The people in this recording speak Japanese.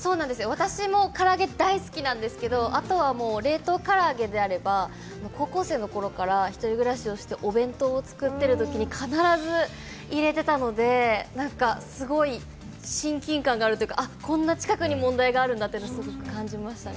私も唐揚げ大好きなんですけど後は冷凍唐揚げであれば、高校生の頃から１人暮らしをして、お弁当を作ってるときに必ず入れてたので、すごい親近感があるというかあっ、こんな近くに問題があるんだって思いました。